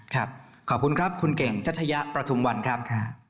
ขอบคุณครับคุณเก่งชัชยะประทุมวันครับ